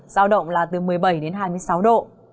giao động là từ một mươi bảy đến hai mươi sáu độ